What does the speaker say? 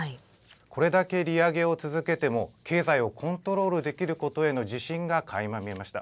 これだけ利上げを続けても、経済をコントロールできることへの自信がかいま見えました。